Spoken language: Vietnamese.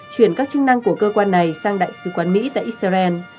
chuyển các chức năng của cơ quan này sang đại sứ quán mỹ tại israel